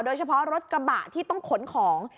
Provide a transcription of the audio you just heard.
โดยเฉพาะรถกระบะที่ต้องขนของ